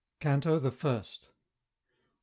CANTO THE FIRST. I.